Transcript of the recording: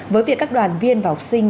với việc các đoàn viên và học sinh